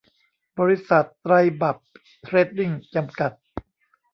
บริษัท ไตรบรรพเทรดดิ้ง จำกัด